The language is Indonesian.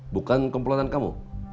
bukan kemuluan kamu